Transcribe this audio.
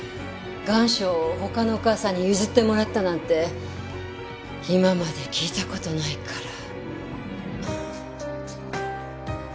願書を他のお母さんに譲ってもらったなんて今まで聞いたことないから。